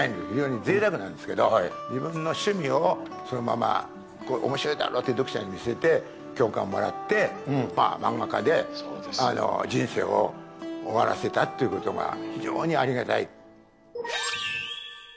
非常にぜいたくなんですけど、自分の趣味をそのまま、おもしろいだろうって、読者に見せて、共感をもらって、漫画家で人生を終わらせたっていうことが、非常にありがたい。